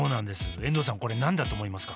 遠藤さんこれ何だと思いますか？